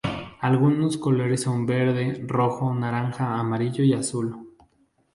Algunos colores son verde, rojo, naranja, amarillo y azul.